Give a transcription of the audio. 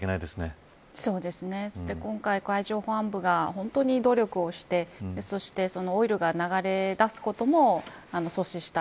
今回、海上保安部は本当に努力をしてそして、オイルが流れ出すことも阻止した。